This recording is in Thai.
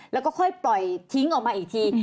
แล้วก็ค่อยปล่อยทิ้งออกมาอีกที